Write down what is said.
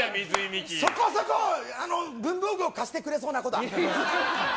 そこそこ文房具を貸してくれそうな子だ。